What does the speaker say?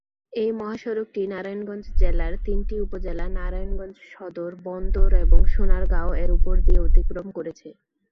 এ মহাসড়কটি নারায়ণগঞ্জ জেলার তিনটি উপজেলা নারায়ণগঞ্জ সদর, বন্দর এবং সোনারগাঁও এর উপর দিয়ে অতিক্রম করেছে।